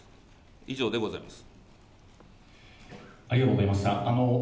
以上でございます。